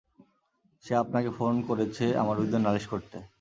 সে আপনাকে ফোন করেছে আমার বিরুদ্ধে নালিশ করতে!